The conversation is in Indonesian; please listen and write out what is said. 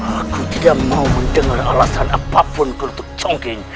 aku tidak mau mendengar alasan apapun untuk chongqing